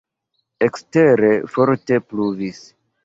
Ekstere forte pluvis.